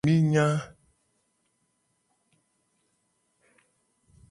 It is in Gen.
Mi nya.